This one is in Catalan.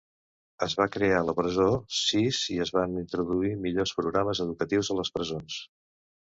Es va crear la Presó Sis i es van introduir millors programes educatius a les presons.